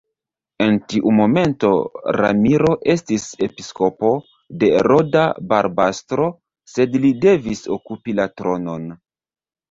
En tiu momento Ramiro estis episkopo de Roda-Barbastro, sed li devis okupi la tronon.